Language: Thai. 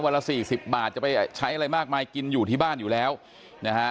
ละสี่สิบบาทจะไปใช้อะไรมากมายกินอยู่ที่บ้านอยู่แล้วนะฮะ